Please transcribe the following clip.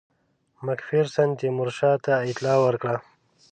مک فیرسن تیمورشاه ته اطلاع ورکړه.